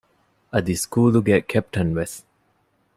އަދި ސްކޫލުގެ ކެޕްޓަންވެސް